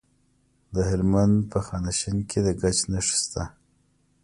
د هلمند په خانشین کې د ګچ نښې شته.